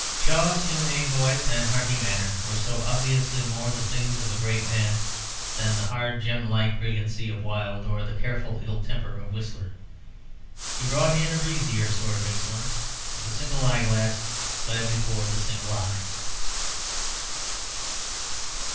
Shaw's humane voice and hearty manner were so obviously more the things of a great man than the hard, gem like brilliancy of Wilde or the careful ill temper of Whistler. He brought in a breezier sort of insolence; the single eye glass fled before the single eye.